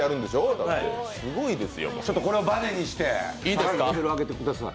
これをバネにしてレベル上げてください。